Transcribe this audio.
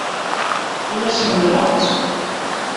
Ini-as ḥemmleɣ-tt.